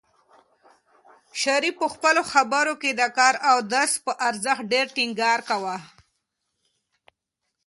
شریف په خپلو خبرو کې د کار او درس په ارزښت ډېر ټینګار کاوه.